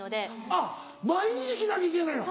あっ毎日着なきゃいけないの。